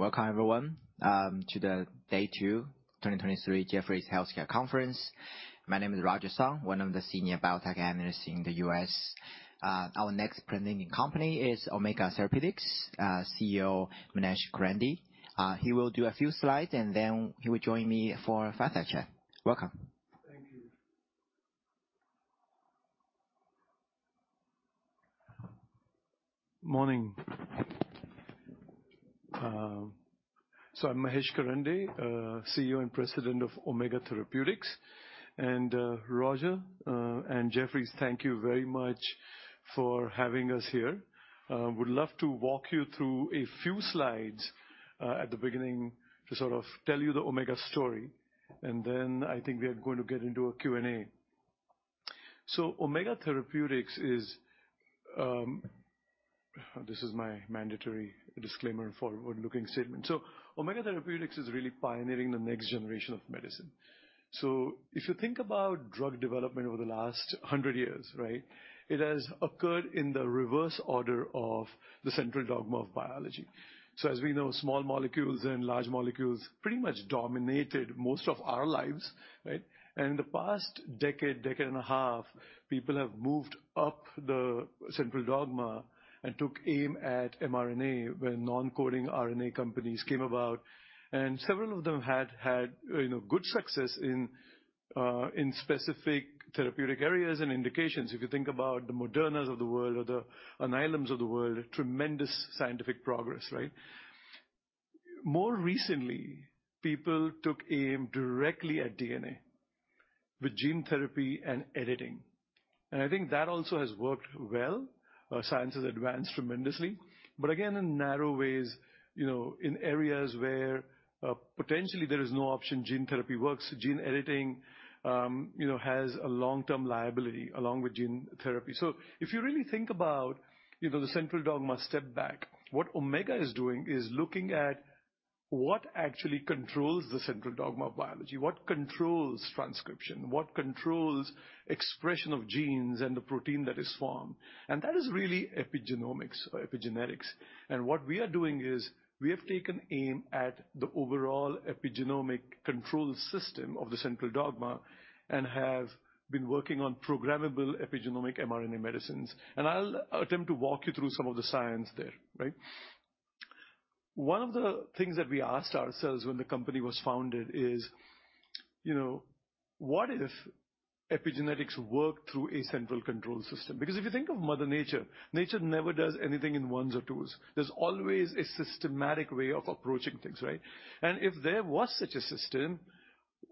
Welcome, everyone, to the day two 2023 Jefferies Healthcare Conference. My name is Roger Song, one of the Senior Biotech Analysts in the US. Our next presenting company is Omega Therapeutics, CEO, Mahesh Karande. He will do a few slides, and then he will join me for a fireside chat. Welcome. Morning. I'm Mahesh Karande, CEO and President of Omega Therapeutics. Roger and Jefferies, thank you very much for having us here. Would love to walk you through a few slides at the beginning to sort of tell you the Omega story, and then I think we are going to get into a Q&A. Omega Therapeutics. This is my mandatory disclaimer for forward-looking statement. Omega Therapeutics is really pioneering the next generation of medicine. If you think about drug development over the last 100 years, right, it has occurred in the reverse order of the central dogma of biology. As we know, small molecules and large molecules pretty much dominated most of our lives, right? In the past decade and a half, people have moved up the central dogma and took aim at mRNA, when non-coding RNA companies came about, and several of them had, you know, good success in specific therapeutic areas and indications. If you think about the Modernas of the world or the Alnylam of the world, tremendous scientific progress, right? More recently, people took aim directly at DNA with gene therapy and editing, and I think that also has worked well. Science has advanced tremendously, but again, in narrow ways, you know, in areas where potentially there is no option, gene therapy works. Gene editing, you know, has a long-term liability along with gene therapy. If you really think about, you know, the central dogma, step back. What Omega is doing is looking at what actually controls the central dogma of biology, what controls transcription, what controls expression of genes and the protein that is formed, and that is really epigenomics or epigenetics. What we are doing is we have taken aim at the overall epigenomic control system of the central dogma and have been working on programmable epigenomic mRNA medicines. I'll attempt to walk you through some of the science there, right? One of the things that we asked ourselves when the company was founded is, you know, what if epigenetics worked through a central control system? Because if you think of mother nature, nature never does anything in ones or twos. There's always a systematic way of approaching things, right? If there was such a system,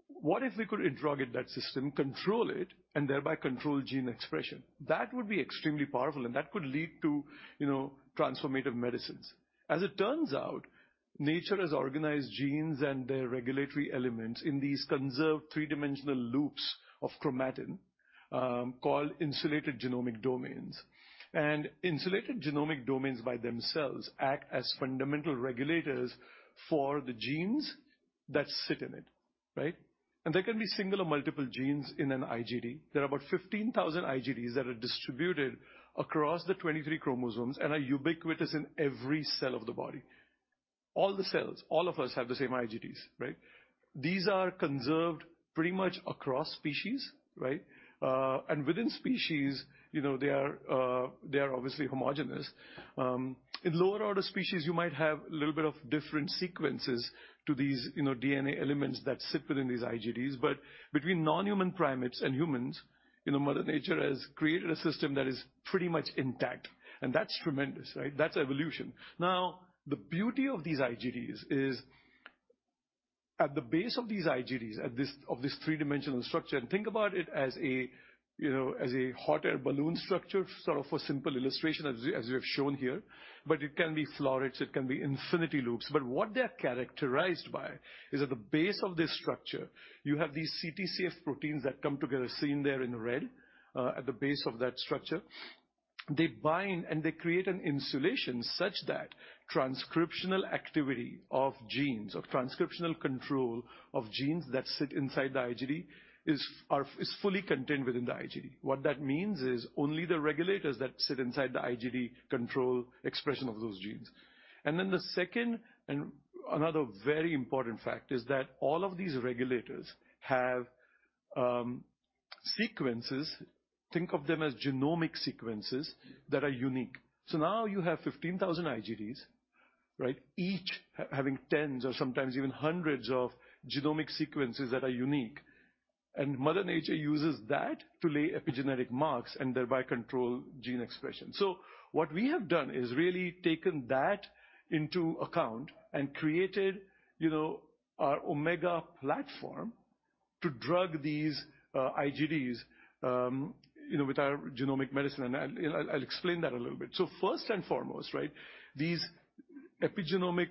what if we could drug that system, control it, and thereby control gene expression? That would be extremely powerful, and that could lead to, you know, transformative medicines. As it turns out, nature has organized genes and their regulatory elements in these conserved three-dimensional loops of chromatin, called insulated genomic domains. Insulated genomic domains by themselves act as fundamental regulators for the genes that sit in it, right? There can be single or multiple genes in an IGD. There are about 15,000 IGDs that are distributed across the 23 chromosomes and are ubiquitous in every cell of the body. All the cells, all of us have the same IGDs, right? These are conserved pretty much across species, right? And within species, you know, they are obviously homogenous. In lower order species, you might have a little bit of different sequences to these, you know, DNA elements that sit within these IGDs. Between non-human primates and humans, you know, mother nature has created a system that is pretty much intact, and that's tremendous, right? That's evolution. The beauty of these IGDs is, at the base of these IGDs, of this three-dimensional structure, and think about it as a, you know, as a hot air balloon structure, sort of a simple illustration, as we have shown here, but it can be florets, it can be infinity loops. What they are characterized by is at the base of this structure, you have these CTCF proteins that come together, seen there in red, at the base of that structure. They bind, and they create an insulation such that transcriptional activity of genes or transcriptional control of genes that sit inside the IGD is fully contained within the IGD. What that means is only the regulators that sit inside the IGD control expression of those genes. The second, and another very important fact, is that all of these regulators have sequences. Think of them as genomic sequences that are unique. Now you have 15,000 IGDs, right? Each having tens or sometimes even hundreds of genomic sequences that are unique. Mother nature uses that to lay epigenetic marks and thereby control gene expression. What we have done is really taken that into account and created, you know, our Omega platform to drug these IGDs, you know, with our genomic medicine, and I, you know, I'll explain that a little bit. First and foremost, right, these epigenomic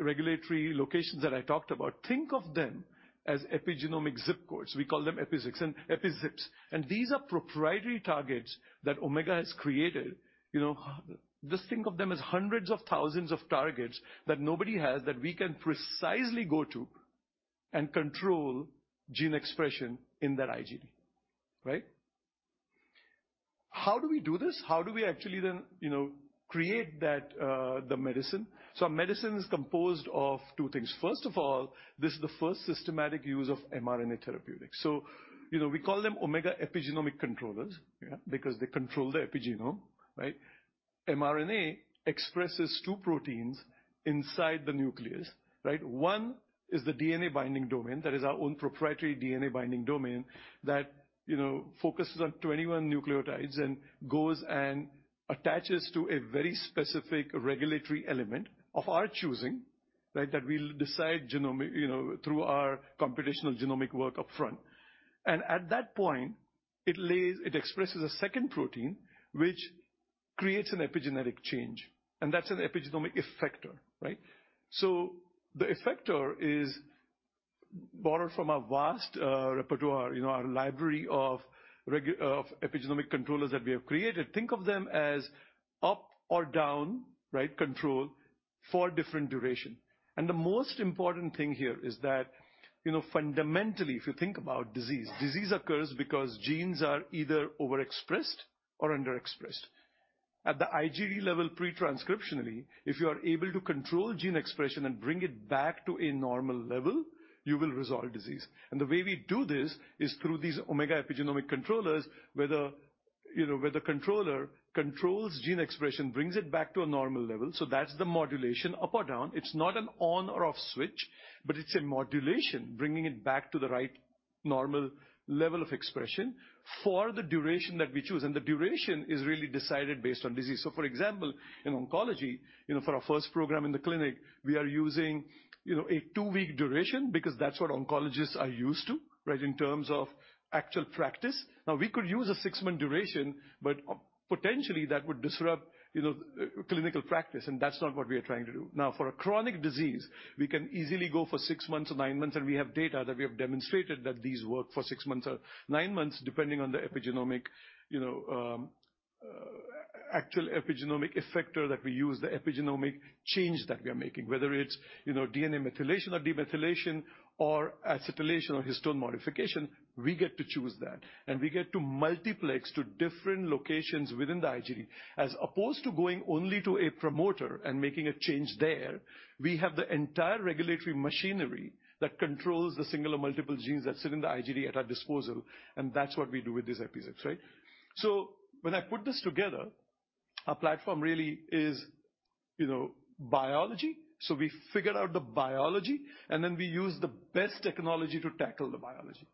regulatory locations that I talked about, think of them as epigenomic zip codes. We call them EpiZips, and these are proprietary targets that Omega has created. You know, just think of them as hundreds of thousands of targets that nobody has, that we can precisely go to and control gene expression in that IGD, right? How do we do this? How do we actually then, you know, create that, the medicine? Our medicine is composed of two things. First of all, this is the first systematic use of mRNA therapeutic. You know, we call them Omega Epigenomic Controllers, yeah, because they control the epigenome, right? mRNA expresses two proteins inside the nucleus, right? One is the DNA-binding domain. That is our own proprietary DNA-binding domain, that, you know, focuses on 21 nucleotides and goes and attaches to a very specific regulatory element of our choosing, right? That we'll decide genomic, you know, through our computational genomic work up front. At that point, it expresses a second protein, which creates an epigenetic change, and that's an epigenomic effector, right? The effector is borrowed from a vast repertoire, you know, our library of epigenomic controllers that we have created. Think of them as up or down, right, control for different duration. The most important thing here is that, you know, fundamentally, if you think about disease occurs because genes are either overexpressed or underexpressed. At the IGD level, pre-transcriptionally, if you are able to control gene expression and bring it back to a normal level, you will resolve disease. The way we do this is through these Omega Epigenomic Controllers, whether, you know, where the controller controls gene expression, brings it back to a normal level. That's the modulation, up or down. It's not an on or off switch, but it's a modulation, bringing it back to the right normal level of expression for the duration that we choose. The duration is really decided based on disease. For example, in oncology, you know, for our first program in the clinic, we are using, you know, a two week duration because that's what oncologists are used to, right? In terms of actual practice. We could use a six month duration, but potentially that would disrupt, you know, clinical practice, and that's not what we are trying to do. For a chronic disease, we can easily go for six months or nine months, and we have data that we have demonstrated that these work for six months or nine months, depending on the epigenomic, you know, actual epigenomic effector that we use, the epigenomic change that we are making. Whether it's, you know, DNA methylation or demethylation, or acetylation, or histone modification, we get to choose that, and we get to multiplex to different locations within the IGD. As opposed to going only to a promoter and making a change there, we have the entire regulatory machinery that controls the single or multiple genes that sit in the IGD at our disposal, and that's what we do with these epiZeps, right? When I put this together, our platform really is, you know, biology. We figured out the biology, and then we use the best technology to tackle the biology.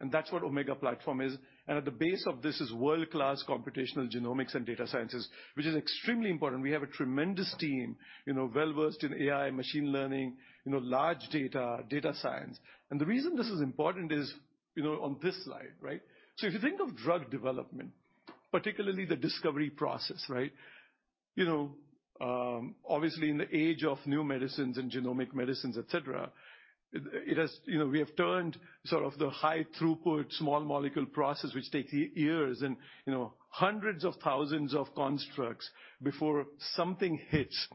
That's what Omega platform is. At the base of this is world-class computational genomics and data sciences, which is extremely important. We have a tremendous team, you know, well-versed in AI, machine learning, you know, large data science. The reason this is important is, you know, on this slide, right? If you think of drug development, particularly the discovery process, right? You know, obviously, in the age of new medicines and genomic medicines, et cetera, you know, we have turned sort of the high-throughput, small molecule process, which takes years and, you know, hundreds of thousands of constructs before something hits,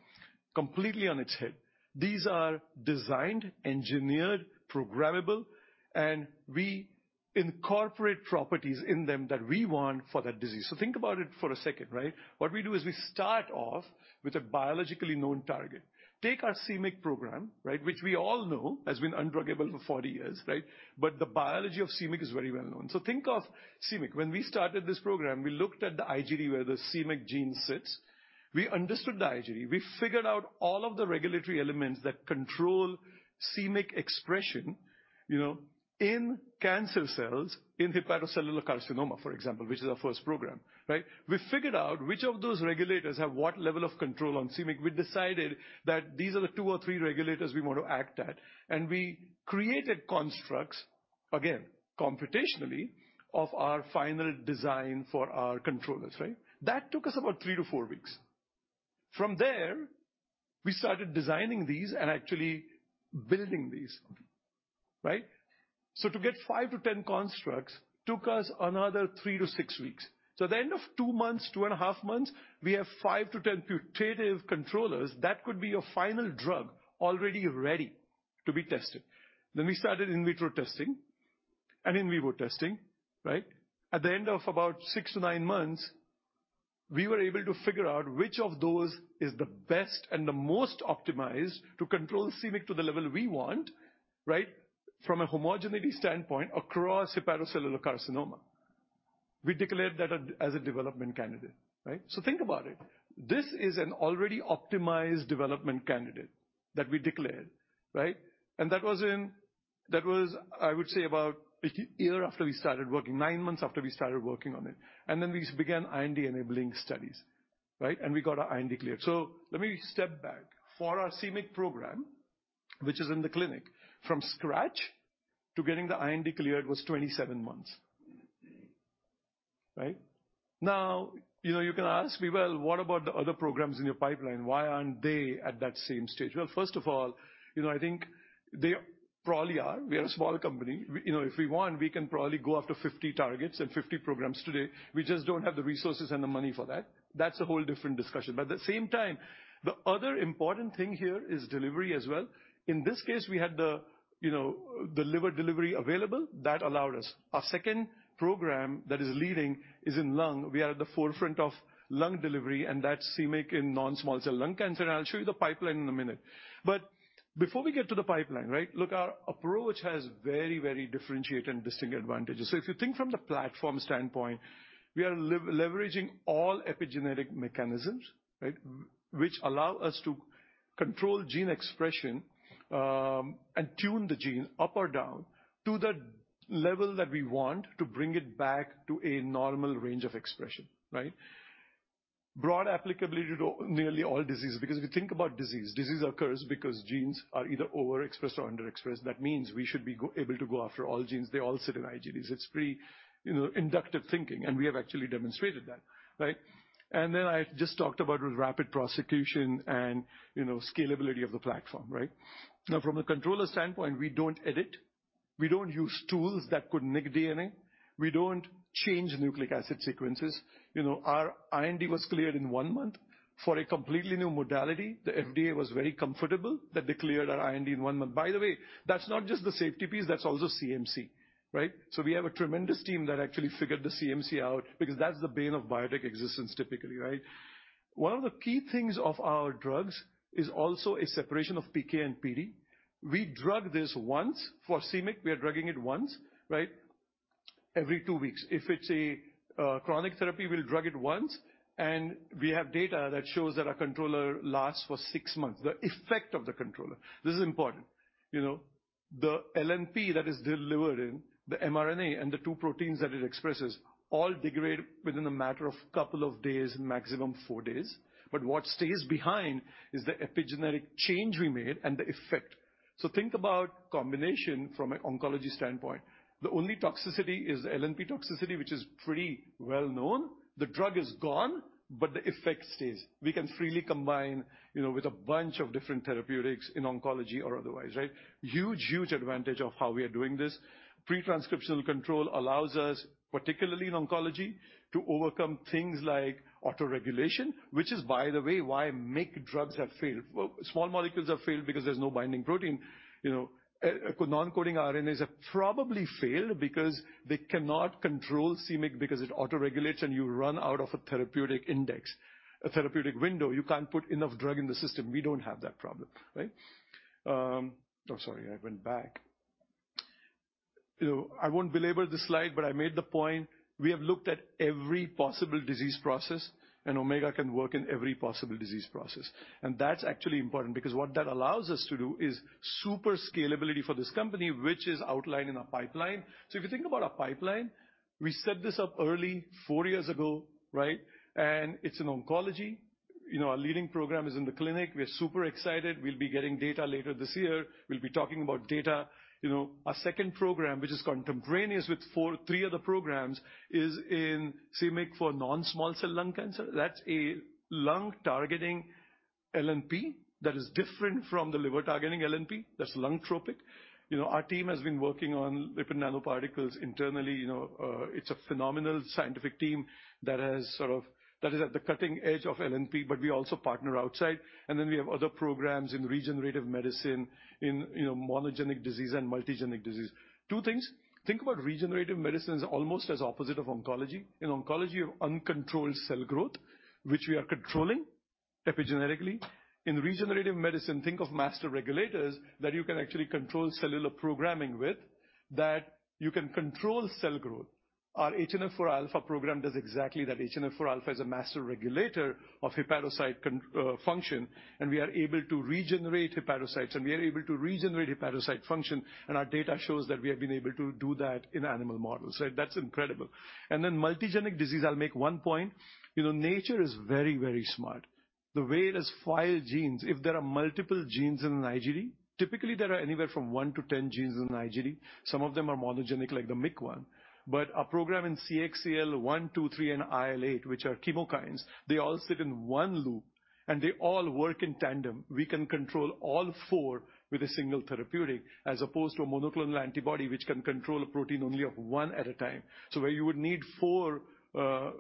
completely on its head. These are designed, engineered, programmable, and we incorporate properties in them that we want for that disease. Think about it for a second, right? What we do is we start off with a biologically known target. Take our c-MYC program, right, which we all know has been undruggable for 40 years, right? The biology of c-MYC is very well known. Think of c-MYC. When we started this program, we looked at the IGD where the c-MYC gene sits. We understood the IGD. We figured out all of the regulatory elements that control c-MYC expression, you know, in cancer cells, in hepatocellular carcinoma, for example, which is our first program, right? We figured out which of those regulators have what level of control on c-MYC. We decided that these are the two or three regulators we want to act at, and we created constructs, again, computationally, of our final design for our controllers, right? That took us about three to four weeks. We started designing these and actually building these, right? To get five to 10 constructs, took us another three to six weeks. At the end of two months, two and a half months, we have five to 10 putative controllers that could be your final drug, already ready to be tested. We started in vitro testing and in vivo testing, right? At the end of about sic to nine months, we were able to figure out which of those is the best and the most optimized to control c-MYC to the level we want, right, from a homogeneity standpoint across hepatocellular carcinoma. We declared that as a development candidate, right? Think about it. This is an already optimized development candidate that we declared, right? That was, I would say, about a year after we started working, nine months after we started working on it. Then we began IND-enabling studies, right? We got our IND cleared. Let me step back. For our c-MYC program, which is in the clinic, from scratch to getting the IND cleared, was 27 months. Right? Now, you know, you can ask me, "Well, what about the other programs in your pipeline? Why aren't they at that same stage?" Well, first of all, you know, I think they probably are. We are a small company. You know, if we want, we can probably go after 50 targets and 50 programs today. We just don't have the resources and the money for that. That's a whole different discussion. At the same time, the other important thing here is delivery as well. In this case, we had the, you know, the liver delivery available that allowed us. Our second program that is leading is in lung. We are at the forefront of lung delivery, and that's c-MYC in non-small cell lung cancer. I'll show you the pipeline in a minute. Before we get to the pipeline, right? Look, our approach has very, very differentiated and distinct advantages. If you think from the platform standpoint, we are leveraging all epigenetic mechanisms, right? Which allow us to control gene expression, and tune the gene up or down to the level that we want to bring it back to a normal range of expression, right? Broad applicability to nearly all diseases, because if you think about disease occurs because genes are either overexpressed or underexpressed. That means we should be able to go after all genes. They all sit in IGDs. It's pretty, you know, inductive thinking. We have actually demonstrated that, right? Then I just talked about rapid prosecution and, you know, scalability of the platform, right? Now, from a controller standpoint, we don't edit. We don't use tools that could nick DNA. We don't change nucleic acid sequences. You know, our IND was cleared in one month for a completely new modality. The FDA was very comfortable that they cleared our IND in one month. By the way, that's not just the safety piece, that's also CMC, right? We have a tremendous team that actually figured the CMC out, because that's the bane of biotech existence, typically, right? One of the key things of our drugs is also a separation of PK and PD. We drug this once. For c-MYC, we are drugging it once, right? Every two weeks. If it's a chronic therapy, we'll drug it once. We have data that shows that our controller lasts for six months, the effect of the controller. This is important, you know. The LNP that is delivered in the mRNA and the two proteins that it expresses, all degrade within a matter of couple of days, maximum four days. What stays behind is the epigenetic change we made and the effect. Think about combination from an oncology standpoint. The only toxicity is LNP toxicity, which is pretty well known. The drug is gone. The effect stays. We can freely combine, you know, with a bunch of different therapeutics in oncology or otherwise, right? Huge, huge advantage of how we are doing this. Pre-transcriptional control allows us, particularly in oncology, to overcome things like autoregulation, which is, by the way, why MYC drugs have failed. Well, small molecules have failed because there's no binding protein. You know, non-coding RNAs have probably failed because they cannot control c-MYC because it autoregulates and you run out of a therapeutic index, a therapeutic window. You can't put enough drug in the system. We don't have that problem, right? Oh, sorry, I went back. You know, I won't belabor this slide, but I made the point, we have looked at every possible disease process, Omega can work in every possible disease process. That's actually important, because what that allows us to do is super scalability for this company, which is outlined in our pipeline. If you think about our pipeline, we set this up early, four years ago, right? It's in oncology. You know, our leading program is in the clinic. We're super excited. We'll be getting data later this year. We'll be talking about data. You know, our second program, which is contemporaneous with 3 other programs, is in c-MYC for non-small cell lung cancer. That's a lung-targeting LNP that is different from the liver-targeting LNP. That's lung tropic. You know, our team has been working on lipid nanoparticles internally. You know, it's a phenomenal scientific team that is at the cutting edge of LNP, but we also partner outside. We have other programs in regenerative medicine, in, you know, monogenic disease and multigenic disease. 2 things. Think about regenerative medicine as almost as opposite of oncology. In oncology, you have uncontrolled cell growth, which we are controlling epigenetically. In regenerative medicine, think of master regulators that you can actually control cellular programming with, that you can control cell growth. Our HNF4α program does exactly that. HNF4α is a master regulator of hepatocyte function. We are able to regenerate hepatocytes, and we are able to regenerate hepatocyte function, and our data shows that we have been able to do that in animal models, right? That's incredible. Multigenic disease, I'll make one point. You know, nature is very, very smart. The way it has filed genes, if there are multiple genes in an IGD, typically there are anywhere from one to 10 genes in an IGD. Some of them are monogenic, like the MYC one. Our program in CXCL1, CXCL2, CXCL3, and IL-8, which are chemokines, they all sit in one loop, and they all work in tandem. We can control all four with a single therapeutic, as opposed to a monoclonal antibody, which can control a protein only of one at a time. Where you would need four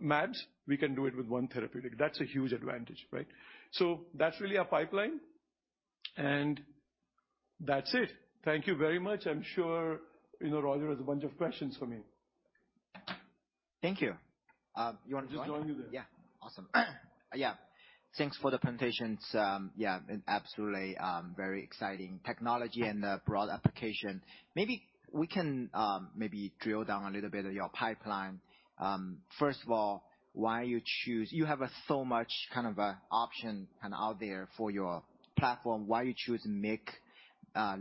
mAbs, we can do it with one therapeutic. That's a huge advantage, right? That's really our pipeline, and that's it. Thank you very much. I'm sure, you know, Roger has a bunch of questions for me. Thank you. You want to just. Join me there. Yeah. Awesome. Yeah, thanks for the presentations. Absolutely, very exciting technology, broad application. Maybe we can maybe drill down a little bit of your pipeline. First of all, You have a so much, kind of a option, kind out there for your platform. Why you choose MYC,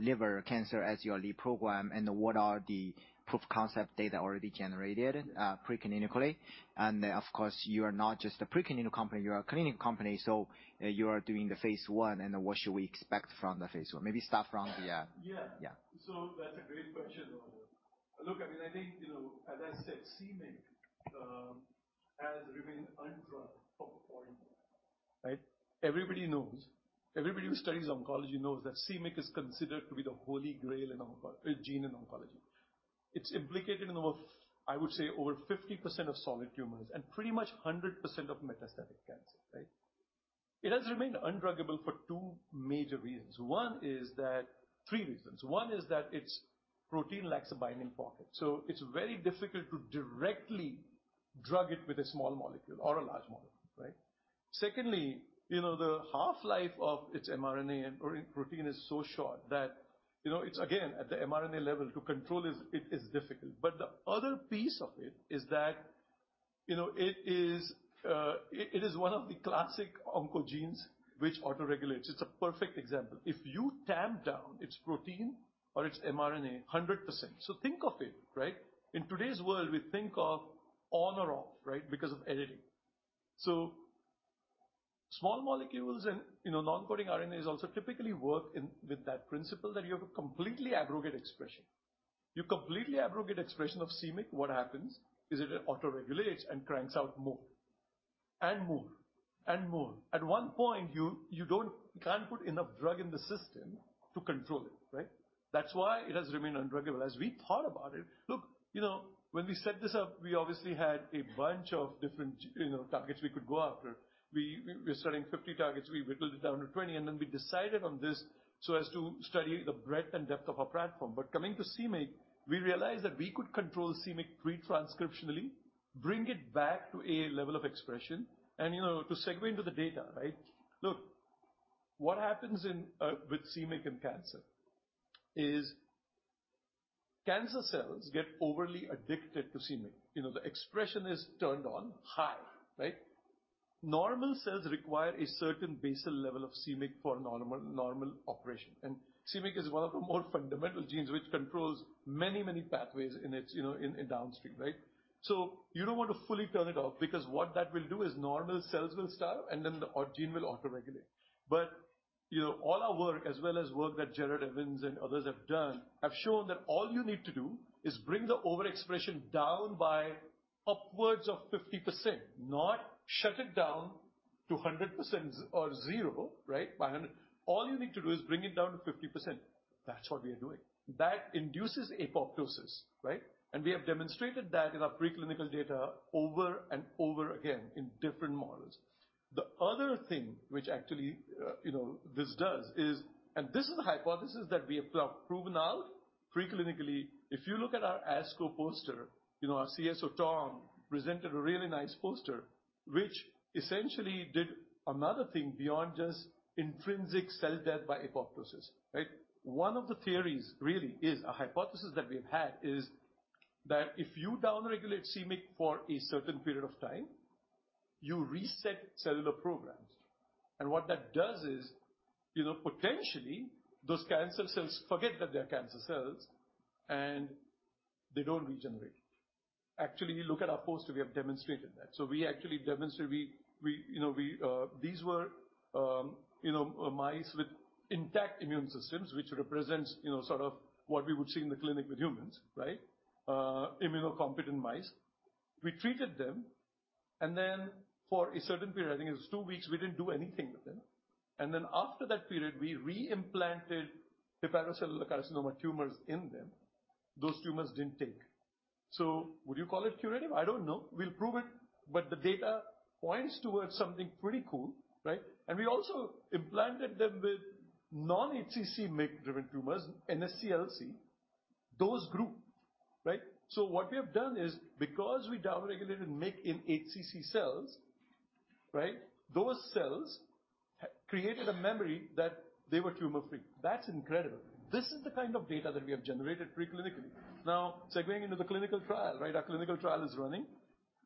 liver cancer as your lead program, and what are the proof concept data already generated pre-clinically? Of course, you are not just a pre-clinical company, you are a clinical company, so you are doing the phase I, and what should we expect from the phase I? Maybe start from the. Yeah. Yeah. That's a great question, Roger. Look, I mean, I think, you know, as I said, c-MYC has remained undruggable for years, right. Everybody knows, everybody who studies oncology knows that c-MYC is considered to be the holy grail in gene in oncology. It's implicated in over, I would say, over 50% of solid tumors and pretty much 100% of metastatic cancer, right. It has remained undruggable for two major reasons. Three reasons. One is that its protein lacks a binding pocket, so it's very difficult to directly drug it with a small molecule or a large molecule, right. Secondly, you know, the half-life of its mRNA and protein is so short that, you know, it's again, at the mRNA level to control is, it is difficult. The other piece of it is that, you know, it is one of the classic oncogenes which autoregulates. It's a perfect example. If you tamp down its protein or its mRNA 100%. Think of it, right? In today's world, we think of on or off, right, because of editing. Small molecules and, you know, non-coding RNAs also typically work in with that principle, that you have a completely aggregate expression. You completely aggregate expression of c-MYC, what happens? Is it autoregulates and cranks out more, and more, and more. At one point, you can't put enough drug in the system to control it, right? That's why it has remained undruggable. We thought about it. Look, you know, when we set this up, we obviously had a bunch of different, you know, targets we could go after. We were studying 50 targets. We whittled it down to 20. Then we decided on this so as to study the breadth and depth of our platform. Coming to c-MYC, we realized that we could control c-MYC pre-transcriptionally, bring it back to a level of expression. You know, to segue into the data, right? Look, what happens with c-MYC in cancer is cancer cells get overly addicted to c-MYC. You know, the expression is turned on high, right? Normal cells require a certain basal level of c-MYC for normal operation and c-MYC is one of the more fundamental genes which controls many pathways in its, you know, in downstream, right? You don't want to fully turn it off, because what that will do is normal cells will starve and then the gene will autoregulate. You know, all our work, as well as work that Gerard Evan and others have done, have shown that all you need to do is bring the overexpression down by upwards of 50%, not shut it down to 100% or zero, right? All you need to do is bring it down to 50%. That's what we are doing. That induces apoptosis, right? We have demonstrated that in our preclinical data over and over again in different models. The other thing which actually, you know, this does is, this is a hypothesis that we have proven out preclinically. If you look at our ASCO poster, you know, our CSO, Tom, presented a really nice poster, which essentially did another thing beyond just intrinsic cell death by apoptosis, right? One of the theories really is a hypothesis that we've had, is that if you down-regulate c-MYC for a certain period of time, you reset cellular programs. What that does is, you know, potentially those cancer cells forget that they're cancer cells and they don't regenerate. Actually, look at our poster, we have demonstrated that. We actually demonstrate, we, you know, these were, you know, mice with intact immune systems, which represents, you know, sort of what we would see in the clinic with humans, right? Immunocompetent mice. We treated them, and then for a certain period, I think it was two weeks, we didn't do anything with them. After that period, we re-implanted hepatocellular carcinoma tumors in them. Those tumors didn't take. Would you call it curative? I don't know. We'll prove it, but the data points towards something pretty cool, right? We also implanted them with non-HCC MYC-driven tumors, NSCLC. Those group, right. What we have done is because we down-regulated MYC in HCC cells, right, those cells created a memory that they were tumor-free. That's incredible. This is the kind of data that we have generated preclinically. Segueing into the clinical trial, right? Our clinical trial is running.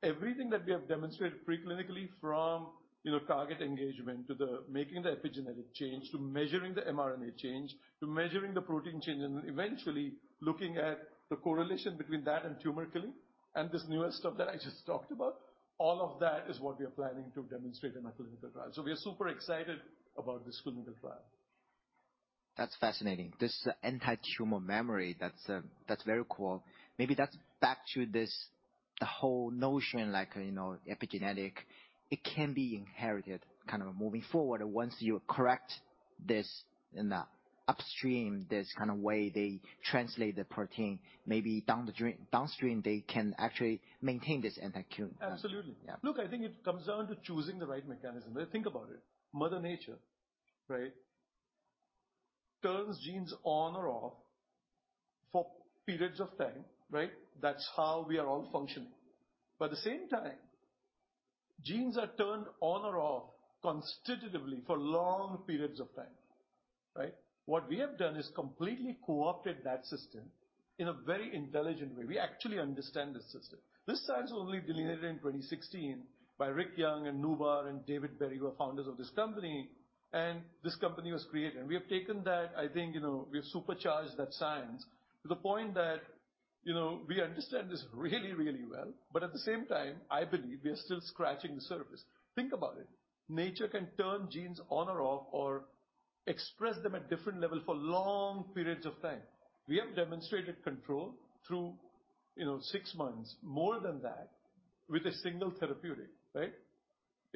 Everything that we have demonstrated preclinically from, you know, target engagement to the making the epigenetic change, to measuring the mRNA change, to measuring the protein change, and eventually looking at the correlation between that and tumor killing, and this newer stuff that I just talked about, all of that is what we are planning to demonstrate in our clinical trial. We are super excited about this clinical trial. That's fascinating. This anti-tumor memory, that's very cool. Maybe that's back to this, the whole notion, like, you know, epigenetic, it can be inherited kind of moving forward once you correct this in the upstream, this kind of way they translate the protein. Maybe downstream, they can actually maintain this anti-tumor. Absolutely. Yeah. Look, I think it comes down to choosing the right mechanism. Think about it. Mother Nature, right, turns genes on or off for periods of time, right? That's how we are all functioning. At the same time, genes are turned on or off constitutively for long periods of time, right? What we have done is completely co-opted that system in a very intelligent way. We actually understand the system. This science was only delineated in 2016 by Rick Young and Noubar and David Berry, who are founders of this company, and this company was created. We have taken that, I think, you know, we've supercharged that science to the point that, you know, we understand this really, really well, but at the same time, I believe we are still scratching the surface. Think about it. Nature can turn genes on or off, or express them at different level for long periods of time. We have demonstrated control through, you know, six months, more than that, with a single therapeutic, right?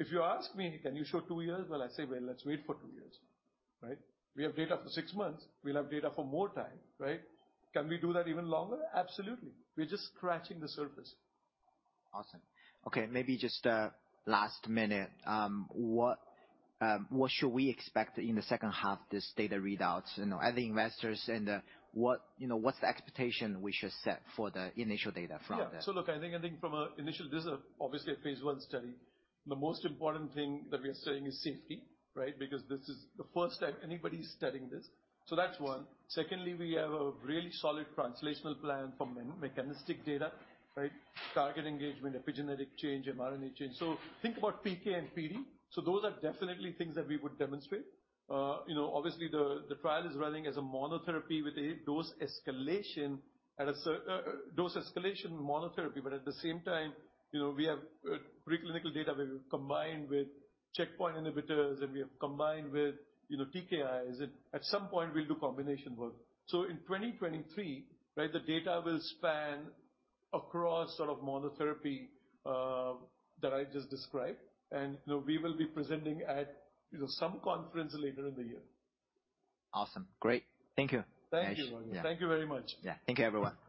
If you ask me, "Can you show two years?" Well, I say, "Well, let's wait for two years." Right? We have data for six months. We'll have data for more time, right? Can we do that even longer? Absolutely." We're just scratching the surface. Awesome. Okay, maybe just last minute. What should we expect in the second half, this data readouts, you know, as investors, and, you know, what's the expectation we should set for the initial data from that? Look, I think from an initial, this is obviously a phase I study. The most important thing that we are studying is safety, right? Because this is the first time anybody is studying this. That's one. Secondly, we have a really solid translational plan for mechanistic data, right? Target engagement, epigenetic change, mRNA change. Think about PK and PD. Those are definitely things that we would demonstrate. You know, obviously, the trial is running as a monotherapy with a dose escalation monotherapy. At the same time, you know, we have preclinical data we've combined with checkpoint inhibitors. We have combined with, you know, TKIs. At some point, we'll do combination work. In 2023, right, the data will span across sort of monotherapy, that I just described, and, you know, we will be presenting at, you know, some conference later in the year. Awesome. Great. Thank you. Thank you, Mahesh. Yeah. Thank you very much. Yeah. Thank you, everyone.